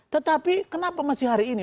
tetapi kenapa masih hari ini